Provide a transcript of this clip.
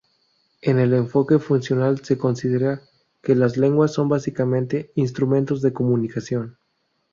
En el enfoque funcional se considera que las lenguas son básicamente "instrumentos de comunicación".